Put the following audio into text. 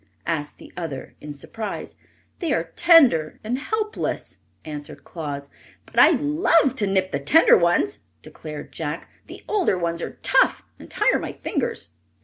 asked the other, in surprise. "They are tender and helpless," answered Claus. "But I love to nip the tender ones!" declared Jack. "The older ones are tough, and tire my fingers."